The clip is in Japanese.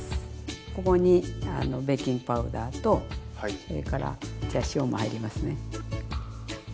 ここにベーキングパウダーとそれから塩も入りますね。